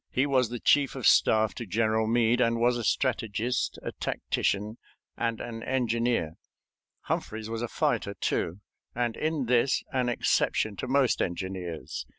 He was the chief of staff to General Meade, and was a strategist, a tactician, and an engineer. Humphreys was a fighter, too, and in this an exception to most engineers.